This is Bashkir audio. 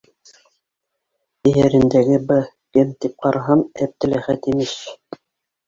Эйәрендәге бы кем тип ҡараһам, Әптеләхәт, имеш.